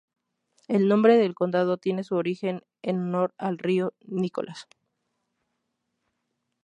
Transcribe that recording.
El nombre del condado tiene su origen en honor al río Nicholas.